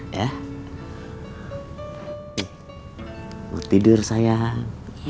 ya bu tidur sayang ya